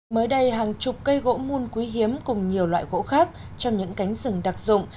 mới đây hàng chục cây gỗ muôn quý hiếm cùng nhiều loại gỗ khác trong những cánh rừng đặc dụng